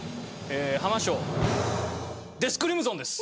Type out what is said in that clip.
ハマ賞『デスクリムゾン』です！